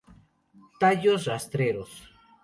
Tallos rastreros.